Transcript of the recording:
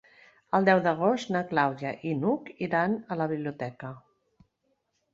El deu d'agost na Clàudia i n'Hug iran a la biblioteca.